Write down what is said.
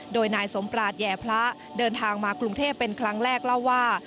โดยนายสมปราชแหย่พระเดินทางมากรุงเทพเป็นครั้งแรกเล่าว่า